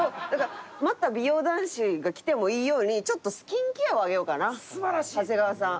また美容男子がきてもいいようにちょっとスキンケアをあげようかな長谷川さん。